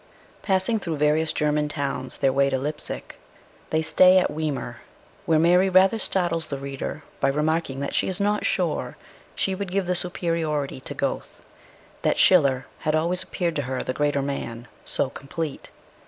Passing through various German towns on their way to Leipsic, they stay at Weimar, where Mary rather startles the reader by remarking that she is not sure she would give the superiority to Goethe; that Schiller had always appeared to her tiie greater man, so complete.